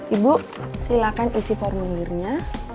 ibu silahkan isi formulirnya